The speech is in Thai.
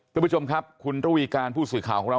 ทุกผู้ชมครับคุณระวีการผู้สื่อข่าวของเรา